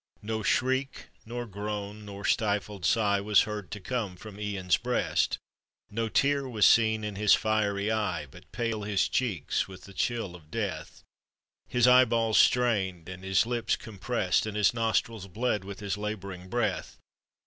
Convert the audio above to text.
No shriek nor groan nor stifled sigh Was heard to come from lan's breast, Nor tear was seen in hi* fiery eye, But pale his cheeks with the chill of death. His eyeball? strained and his lip* compreM«d, And bis nostrils bled with his laboring breath.